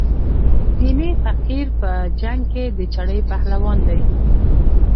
نینی فقیر په جنګ کې د چړې پهلوان دی.